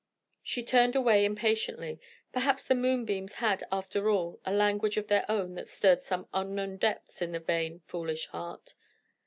She turned away impatiently: perhaps the moonbeams had, after all, a language of their own that stirred some unknown depths in the vain, foolish heart.